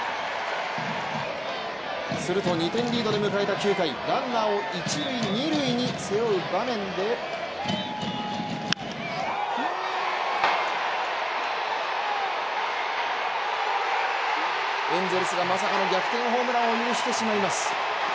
すると、２点リードで迎えた９回、ランナーを一塁・二塁に背負う場面でエンゼルスがまさかの逆転ホームランを許してしまいます。